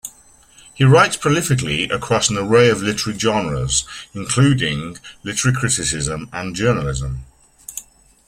He writes prolifically across an array of literary genres, including literary criticism and journalism.